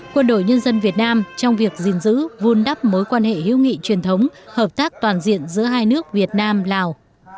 quân đội nhân dân việt nam trong việc gìn giữ vun đắp mối quan hệ hữu nghị truyền thống hợp tác toàn diện giữa hai nước việt nam lào